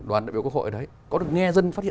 đoàn đại biểu quốc hội ở đấy